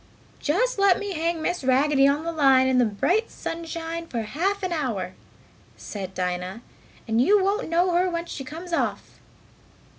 "Just let me hang Miss Raggedy on the line in the bright sunshine for half an hour," said Dinah, "and you won't know her when she comes off!"